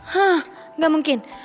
hah gak mungkin